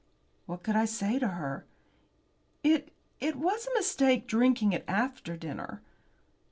What could I say to her? "It it was a mistake drinking it after dinner."